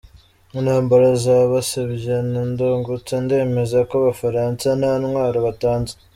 Intambara za Basebya na Ndungutse ndemeza ko Abafaransa nta ntwaro batanze.